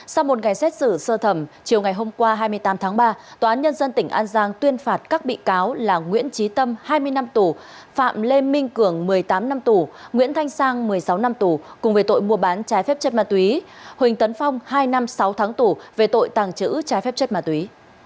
sau một ngày xét xử sơ thẩm chiều ngày hôm qua hai mươi tám tháng ba tòa án nhân dân tỉnh an giang tuyên phạt các bị cáo là nguyễn trí tâm hai mươi năm tù phạm lê minh cường một mươi tám năm tù nguyễn thanh sang một mươi sáu năm tù cùng về tội mua bán trái phép chất ma túy huỳnh tấn phong hai năm sáu tháng tù về tội tàng trữ trái phép chất ma túy